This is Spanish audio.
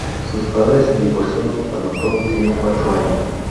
Sus padres se divorciaron cuando Toby tenía cuatro años.